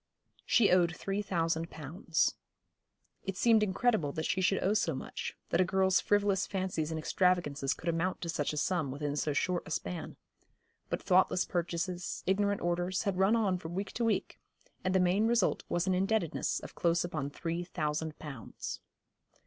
She owed three thousand pounds. It seemed incredible that she should owe so much, that a girl's frivolous fancies and extravagances could amount to such a sum within so short a span. But thoughtless purchases, ignorant orders, had run on from week to week, and the main result was an indebtedness of close upon three thousand pounds.